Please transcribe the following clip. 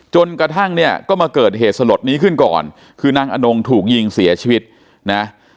จนกระทั่งเนี่ยก็มาเกิดเหตุสลดนี้ขึ้นก่อนคือนางอนงถูกยิงเสียชีวิตนะ